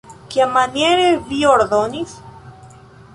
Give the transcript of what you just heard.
Kiamaniere vi ordonis?